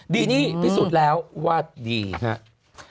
ดีนี่พิสูจน์แล้วว่าดีครับ